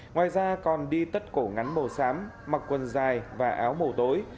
ngoài ra còn đi tất cổ ngắn màu xám mặc quần dài và áo màu tối